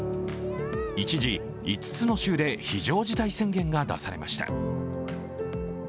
一時、５つの州で非常事態宣言が出されました。